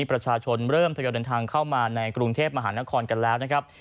ประชาชนเริ่มทยอยเดินทางเข้ามาในกรุงเทพมหานครกันแล้วนะครับ